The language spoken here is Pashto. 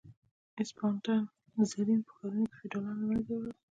اسټپان رزین په ښارونو کې فیوډالان له منځه یوړل.